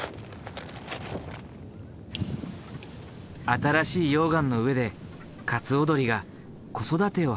新しい溶岩の上でカツオドリが子育てを始めている。